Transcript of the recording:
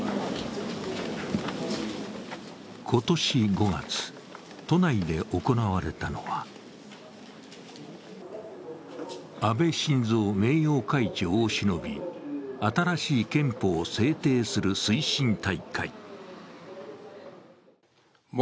今年５月、都内で行われたのは安倍晋三名誉会長を偲び新しい憲法を制定する推進大会。